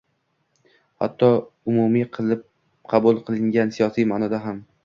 hatto umumiy qabul qilingan siyosiy ma’noda ham.